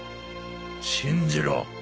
信じろ。